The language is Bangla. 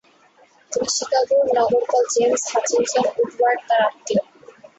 তিনি শিকাগোর নগরপাল জেমস হাচিনসন উডওয়ার্থ তার আত্মীয়।